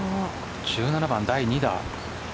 １７番第２打。